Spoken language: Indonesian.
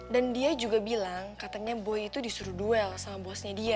dan dia juga bilang katanya boy itu disuruh duel sama bosnya dia